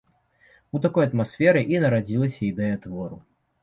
У такой атмасферы і нарадзілася ідэя твору.